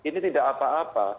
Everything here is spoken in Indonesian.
ini tidak apa apa